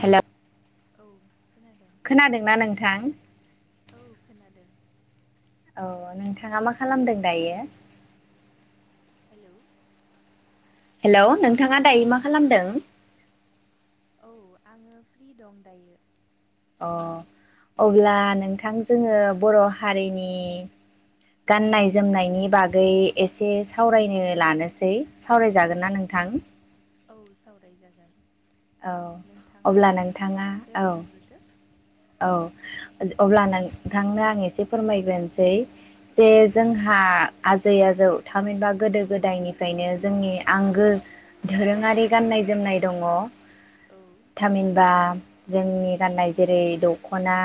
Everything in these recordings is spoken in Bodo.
हेलौ औ खोनादों खोनादोंना नोंथां? औ खोनादों औ नोंथाङा मा खालामदों दायो? हेलौ हेलौ नोंथाङा दायो मा खालामदों? औ आङो फ्रि दं दायो अ अब्ला नोंथां जोङो बर हारिनि गाननाय जोमनायनि बागै एसे सावरायनो लानोसै सावरायजागोन ना नोंथां? औ सावराय जागोन औ अब्ला नोंथाङा एसे औ बुंग्रोदो औ अब्ला औ नोंथांनो आं एसे फोरमायग्रोनोसै जे औ जोंहा आजै आजौ थामहिनबा गोदो गोदायनिफ्रायनो जोंनि आंगो दोरोङारि गाननाय जोमनाय दङ औ थामिनबा जोंनि गाननाय जेरै दखना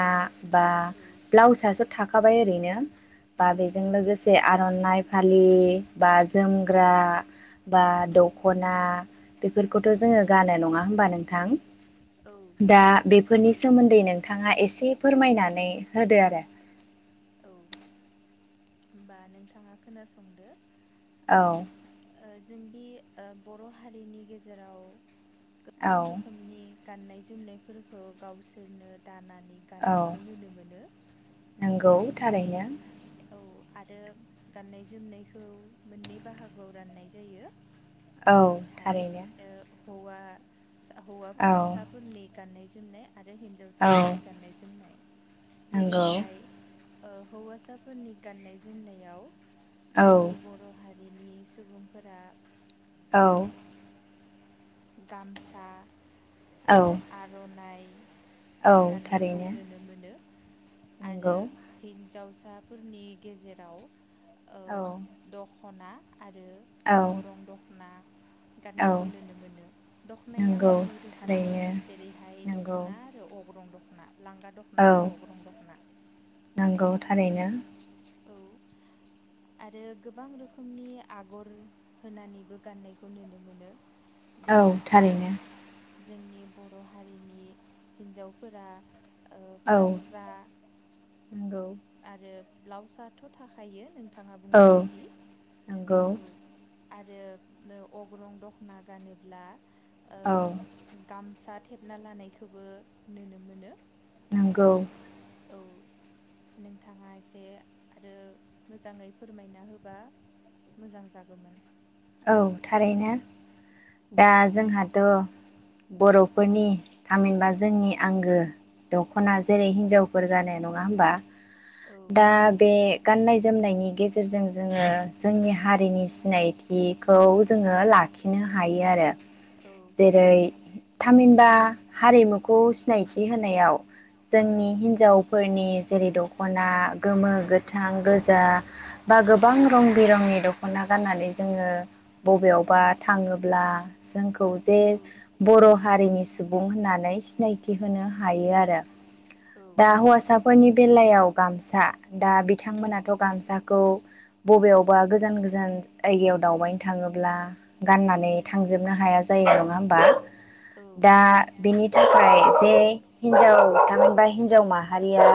बा औ ब्लाउस सा थाखाबाय ओरैनो बा बेजों लोगोसे आरो आरनाइ फालि बा जोमग्रा बा औ दखना बेफोरखौथ जोङो गानो नङा होमबा नोंथां औ दा नंगौ बेफोरनि सोमोन्दै नों नोथाङा एसे फोरमायनानै होदो आरो औ होनबा नोंथाङा खोनासंदो औ ओ जोंनि ओ बर हारिनि गेजेराव औ गोबां रोखोमनि गाननाय जोमनायफोरखौ गावसोरनो दाना नै गाननायखौ नोनो मोनो। गौ जेरैहाय थारैनो। औ आरो गाननाय जोमनायखौ मोननै बाहागोआव राननाय जायो। औ जेरैहाय थारैनो ओ हौआ सा औ हौवाबसाफोरनि गाननाय जोमनाय। आरो औ हिन्जावसाफोरनि गाननाय जोमनाय नंगौ जेरैहाय ओ हौवासाफोरनि गाननाय जोमनायाव औ जोंनि बर' हारि रिनि सुबुंफोरा औ गामसा औ आर'ननाइ औ गाननायखौ थारैनो नोनो मोनो आरो नंगौ हिन्जावस आपुरनि गेजेराव ओ औ दख खना आरो औ अगरं दखना। गाननायखौ नोनो मोनो दख'नाया नंगौ मोननै रोखोमनि। थारैनो जेरैहाय नंगौ दख'ना आरो अग्रं दख औ नोंगौ थारैनो। औ आरो गोबां रोखोमनि आगर होनानैबो गाननायखौ नोनो मोनो। औ बिनिफ्राय थारैनो। जोंनि बर' हारिनि हिन्जावफोरा ओ औ फास्रा नंगौ आरो ब्लाउस आथ' थाखायो नों नोंथाङा औ बुंनाय बायदि नंगौ औ आरो नो अग्रं दखना गानोब्ला ओ औ गामसा दा थेबना लानायखौबो नुनो मोनो नोंगौ। औ नोंथाङा इसे आरो मोजाङै फोरमायना होबा मोजां जागौमोन। औ थारैनो दा जोंहाथ' बर'फोरनि थामहिनबा जोंनि आंगो औ दख'ना जेरै हिनजावफोर गानो। नङा होमबा? औ दा बे गाननाय जोमनायनि गेजेरजों जोङो जोंनि हारिनि सिनायथि खौ जोङो लाखिनो हायो आरो। औ जेरै थामहिनबा हारिमुखौ सिनायथि होनायाव औ जोंनि हिनजावफोरनि जेरै दख'ना गोमो, औ गोथां, गोजा, बा गोबां औ रं बिरंनि दख'ना गाननानै जोङो बबेयावबा थाङोब्ला जों खौ जे बर' हारिनि सुबुं होननानै सिनायथि होनो हायो आरो। दा हौआसा फोरनि बेलायाव गामसा दा बिथांमोनाथ' गामसाखौ बबेयावबा गोजान गोजान जायगायाव दावबायनो थाङोब्ला गाननानै थांजोबनो हाया जायो नङा होमबा? दा बिनि थाखाय जे हिन्जाव थामहिनबा हिन्जाव माहारिया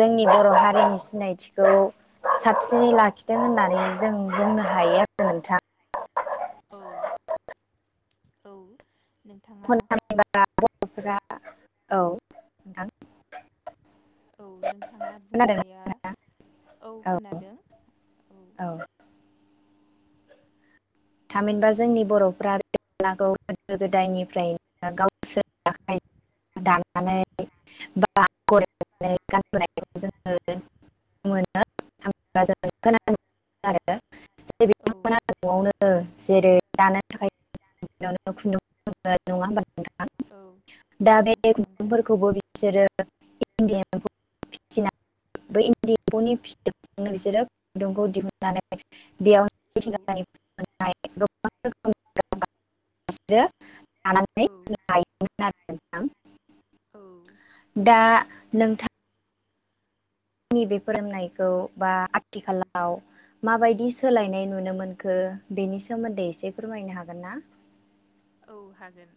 औ बर' हारिनि सिनायथि खौ साबसिनै लाखिदों होननानै जों बुंनो हायो आरो नोंथां। औ औ नोंथाङा [unintelligible] [unintelligible] औ औ नोंथाङा खोनादों बुंनाया औ औ खोनादों औ। थामहिनबा जोंनि बर'फ्रा [unintelligible] बे गोदो गोदायनिफ्रायनो गावसोरनि आखाइजों दानानै बा आगर एरनानै गानबोनायखौ जोङो नुनो मोनो थामहिनबा जों खोनानो मोनो आरो। जाय औ बिथांमोना न'आवनो जेरै दानो थाखाय खुन्दुं नङा होमबा। औ औ दा बे नंगौ खुन्दुंफोरखौबो बिसोरो इदि एम्फौ फिनानै बै इन्दि एम्फौनि फिथोबजों बिसोरो खुदुंखौ दिहुननानै बेयाव औ औ [unintelligible] [unintelligible] [unintelligible] [unintelligible] औ नोंथां आंनि बे फोरोंनायखौ बा आथिखालाव माबायदि औ सोलायनाय नुनो मोनखो? बेनि सोमोन्दै एसे फोरमायनो हागोन ना? औ हागोन।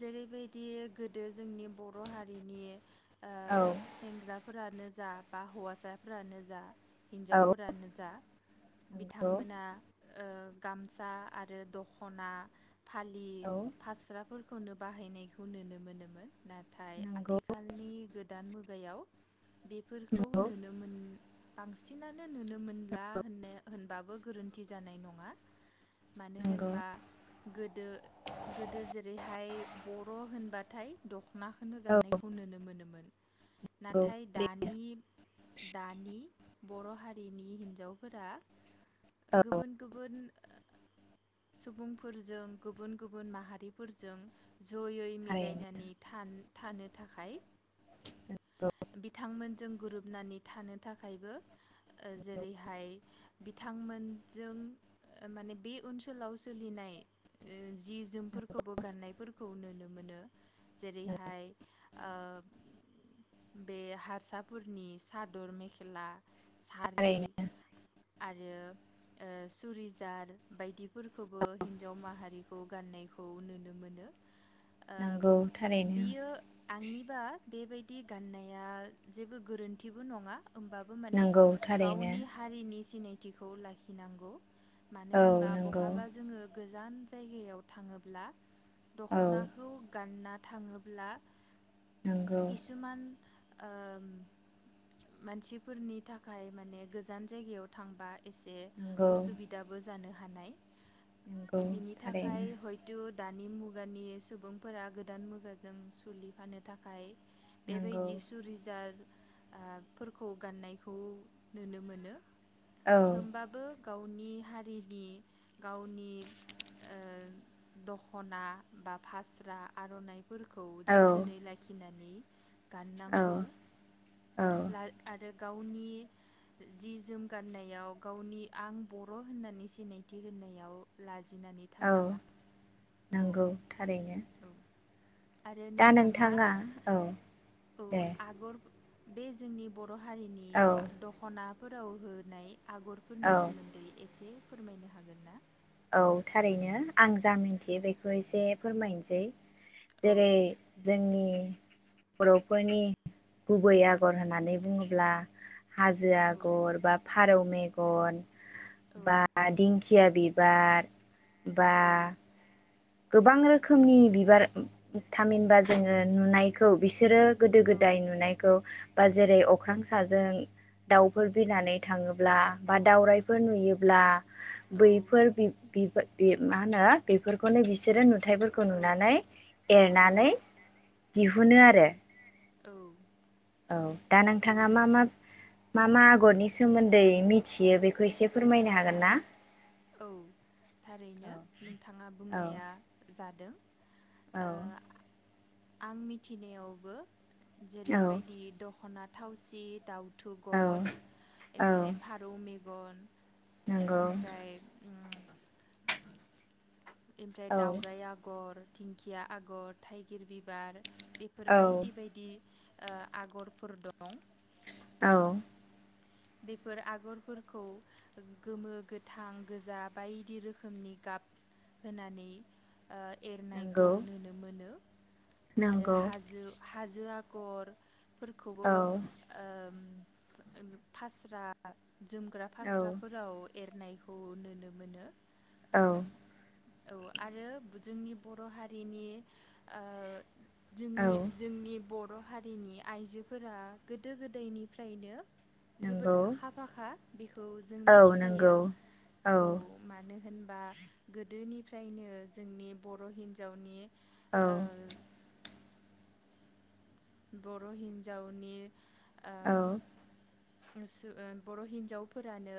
जेरैबायदि गोदो जोंनि बर' हारिनि ओ औ सेंग्रा फोरानो जा बा हौवासाफोरानो जा औ हिन्जावफोरानो जा नंगौ बिथांमोना ओ गामसा आरो दखना फालि औ फास्रााब फोरखौनो बाहायनायखौ नुनो मोनोमोन। नाथाय नंगौ आथिखालनि गोदो दा मुगायाव बेफोरखौ नंगौ नुनो मोन बांसिनानो नुनो मोनला होननो होनबाबो गोरोन्थि जानाय नङा। मानो नंगौ होनबा गोदो गोदो जे ओमफाय बर' होनबाथाय दख माहोनो गाननायखौ नुनो मोनोमोन। नंगौ नाथाय दानि दानि बर' हारिनि हिन्जावफोरा औ गुबुन गुबुन ओ सुबुंफोरजों गुबुन गुबुन माहारि फोरजों जयै थारैनो मिलायनानै थानो थाखाय बिथांमोनजों गोरोबनानै थानो थाखायबो ओ जेरैहाय बिथांमोनजों माने बे ओनसोलाव सोलिनाय जि जोम फोरखौबो गाननायफोरखौ नुनो मोनो जेरैहाय ओ बे हारसाफोरनि सादर मेखेला सारि थारैनो आरो ओ सुरिजार बायदिफोरखौबो हिन्जाव माहारिखौ गाननाय खौ नुनो मोनो। ओ नंगौ थारैनो बियो आंनिबा बेबायदि गाननाया जेबो गोरोन्थिबो नंङा होमबाबो माने नंगौ थारैनो गावनि हारिनि सिनायथिखौ लाखिनांगौ। मानो औ होनबा नंगौ बहाबा जोंङो गोजान जायगायाव थांङोब ब्ला औ दख'नाखौ गानना थांङोब्ला नंगौ खिसुमान ओ मानसिफोरनि थाखाय माने गोजान जायगायाव थांबाय एसे नंगौ उसुबिदाबो जानो हानाय नंगौ बिनि थारैनो थाखाय हयथ दानि मुगानि सुबुंफोरा गोदान मुगाजों सुलिफानो थाखाय नंगौ बेबायदि सुरिजार ओ फोरखौ गाननायखौ नुनो मोनो। औ होमबाबो गावनि हारिनि गावनि ओ दखना बा फास्रा आर'नाइ फोरखौ औ जोथोनै लाखिनानै औ गाननांगौ औ लाल‌ आरो गावनि जि जोम गाननायाव गावनि आं बर होननानै सिनायथि होननायाव लाजि जिनानै औ थानाङा औ नंगौ थारैनो आरो दा नोंथाङा औ औ दे आगर बे जोंनि बद र' हारिनि औ दख'ना फोराव होनाय औ आगरफोरनि सोमोन्दै एसे फोरमायनो हागोन ना? औ थारैनो। आं जा औ मिथियो बेखौ एसे फोरमायनोसै। औ जेरै जोंनि बर'फोरनि गुबै आगर होननानै बुङोब्ला हाजो आगर बा फारौ मेगन औ बा दिं खिया बि बार बा औ गोबां रोखोमनि बिबार थामहिनबा जोङो नुनायखौ बिसोरो गोदो गोदाय नुनायखौ बा जेरै अख्रां साजों दावफोर बिरनानै थाङोब्ला बा दावराइफोर नुयोब्ला औ बैफोर बि बे बे मा होनो बेफोर खौनो बिसोर नु थाइफोरखौ नुनानै एरनानै दिहुनो आरो। औ औ दा औ नोंथाङा मा मा मा मा आगरनि सोमोन्दै मिथियो बेखौ एसे फोरमायनो हागोन ना? औ थारैनो नोंथाङा औ बुंनाया जादों। औ ओ आं मिथिनायावबो औ जेरैबायदि दख'ना थावसि दावथु गद औ औ ओमफ्राय फारौ मे गन नंगौ ओमफ्राय उम ओमफ्राय औ दावराइ आगर दिंखिया आगर थाइगिर बिबार बेफोर औ बायदि बायदि। ओ आगरफोर दं। औ। बेफोर आगरफोरखौ गोमो गोथां गोजा बायदि रोखोमनि गाब होनानै। ओ नंगौ एरनायखौ नुनो मोनो। आरो नंगौ हाजो। हाजो आगर। फोरखौबो औ ओ। ओनिब। फास्रा। जोमग्रा औ फास्राफोराव एरनाय। खौ नोनो मोनो। औ। औ आरो बोजोंनि बर' हारिनि ओ। औ जोंनि जोंनि बर' हारिनि आइजोफोरा गोदो गोदायनिफ्रायनो। जोबोद नंगौ आखा फाखा बेखौ जों औ मिथिखायो नंगौ औ मानो। होनबा गोदोनिफ्रायनो जोंनि बर' हिन्जावनि। औ ओ। बर' हिन्जावनि। औ ओ [unintelligible] बर' हिन्जावफोरानो।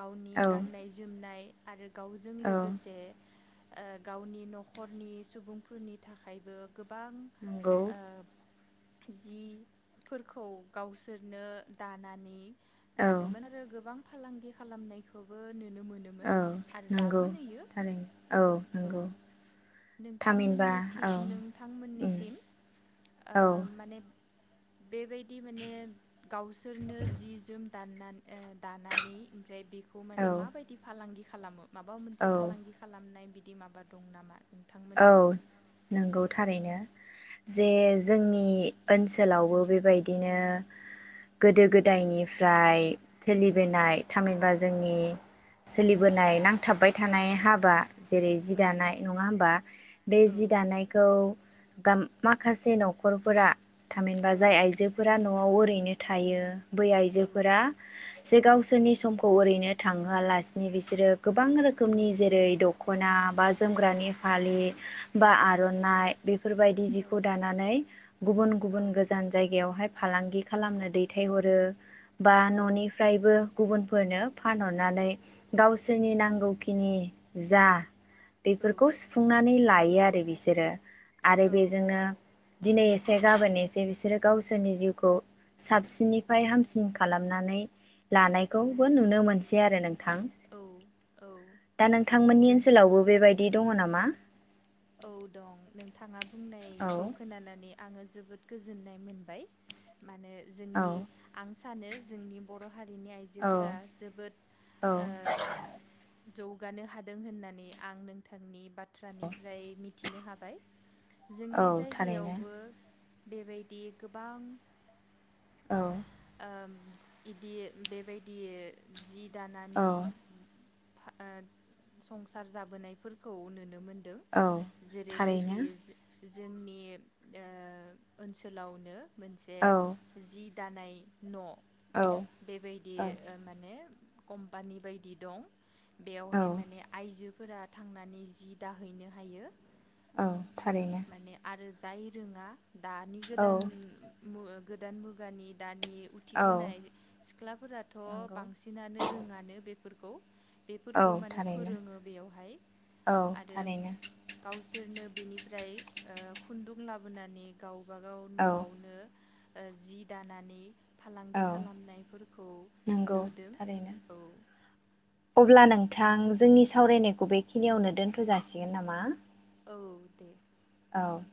गावनि औ गाननाय जोमनाय। आरो। गावजों औ लोगोसे। ओ गावनि न'खरनि सुबुंफोरनि थाखायबो। गोबां नंगौ ओ। जिफोरखौ गावसोरनो दा। नानि। औ गानोमोन आरो गोबां। फालांगि खालामनायखौबो नु। नुनो मोनोमोन औ आरो नंगौ दाबो नोयो थारैनो औ नंगौ थामहिनबा नोंथांमोननिथि औ उम नोंथांमोननिसिम ओ औ माने। बेबायदि माने गावसो। फोरनो जि जोम। दाननानै ओ दानानै ओमफ्राय बे। खौ औ माने माब बायदि फालांगि खालामो माबा मोनसे औ फालांगि खालामनाय बि बिदि माबा दं नामा औ नोंथांमोननिसिम नंगौ थारैनो औ जे जोंनि ओनसो सोलावबो बेबायदिनो गोदो गोदायनिफ्राय सोलिबोनाय थामिनबा जोंनि सोलिबोनाय नांथाबबाय थानाय हाबा जेरै जि औ दानाय नङा होमबा? बे औ जि दानायखौ गाम माखासे न'खरफोरा थामहिनबा औ जाय आइजोफोरा न' न'आव ओरैनो थायो बै औ आइजोफोरा जे गावसोरनि समखौ ओरैनो थाङोआलासिनो बिसोरो गोबां रोखोमनि जेरै द खना बा जोमग्रानि फालि औ बा आर'नाइ बेफोरबायदि जिखौ दानानै गुबुन गुबुन गोजान जायगायावहाय फालांगि खालामनो दैथायहरो बा औ न'निफ्रायबो गुबुनफोरनो फानहरनानै गावसोरनि नांगौखिनि जा बेफोर स नानै लायो आरो बिसोरो आरो बेजोंनो दिनै एसे गाबोन एसे बिसोरो गावसोरनि जिउखौ साबसिननिफ्राय हामसिन खालामनानै लानायखौबो नुनो मोनस बे आरो नों थां औ औ दा नोंथांमोननि जों ओनसोलावबो बेबाय बि दङ नाम मा? औ दं नोंथाङा औ बुंनायखौ खोनानानै आङो जोबोद गोजोननाय मोनबाय मानो औ जोंनि आं सानो जोंनि बर' हारिनि औ आइजोफोरा जोबोद औ ओ जौगानो हादों होननानै आं नोंथांनि बाथ्रानि ओमफ्राय मिथिनो हाबाय। औ जोंनि थारैनो जायगायावबो बेबायदि गोबां औ। ओम इदि बेबायदि इ जि औ दानानै हो ओ संसार जाबोनायफोरखौ नुनो नुनो मोनदों औ जेरैबायदि थारैनो जि जोंनि ओ ओनसोलावनो मोनसे औ जि दानाय न' औ बेबायदि औ ओ माने कम्पानि बायदि दं। औ बेयावहाय माने आइजोफो फोरा थांनानै जि दाहैनो हायो। औ थारैनो। माने आरो जाय रोङा दानि औ गोदान मु आ गोद गोदान मुगानि दान नि औ उथिबोनाय सिख्लाफोराथ' नंगौ बांसिनानो रोङानो बेफो फोरखौ औ बेफोरखौ माने थारैनो फोरोङो बेयावहाय औ आरो थारैनो गावसोरनो बे बेनिफ्राय ओ खुन्दुं लाबोनानै गाव बागाव औ न'आवनो ओ जि दानानै फालांगि औ खालामनायफोरखौ नंगौ नुदों थारैनो औ। अब्ला नोंथां जोंनि सावरायनायखौ बेखिनियावनो दोनथ' जासिगोन नामा? औ दे। औ।